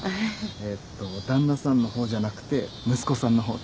えっと旦那さんの方じゃなくて息子さんの方です。